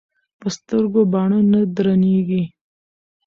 ـ په سترګو باڼه نه درنېږي.